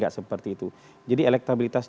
gak seperti itu jadi elektabilitas